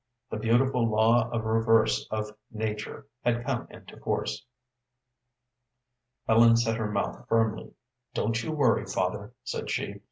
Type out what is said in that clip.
The beautiful law of reverse of nature had come into force. Ellen set her mouth firmly. "Don't you worry, father," said she.